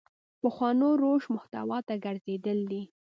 پخوانو روش محتوا ته ګرځېدل دي.